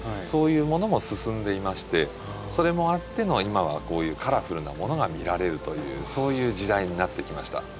そういうものも進んでいましてそれもあっての今はこういうカラフルなものが見られるというそういう時代になってきました。